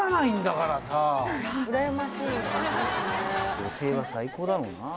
女性は最高だろうな。